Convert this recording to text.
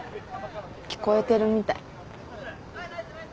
聞こえてるみたい。